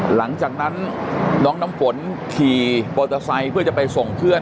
หลังจากนั้นน้องน้ำฝนขี่มอเตอร์ไซค์เพื่อจะไปส่งเพื่อน